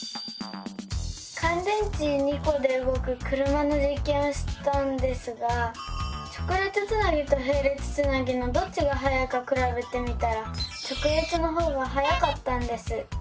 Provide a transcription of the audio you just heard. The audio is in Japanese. かん電池２コでうごく車のじっけんをしたんですが直列つなぎとへい列つなぎのどっちがはやいかくらべてみたら直列のほうがはやかったんです。